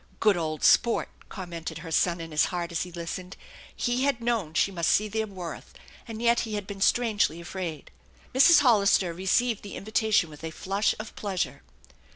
" Good old sport !" commented her son in his heart as he listened. He had known she must see their worth, and yet he had been strangely afraid. Mrs. Hollister received the invitation with a flush of pleasure.